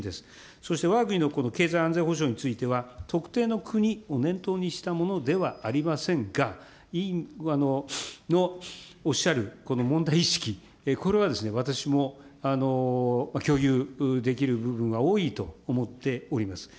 そしてわが国の経済安全保障については、特定の国を念頭にしたものではありませんが、委員のおっしゃるこの問題意識、これはですね、私も共有できる部分は多いと思っております。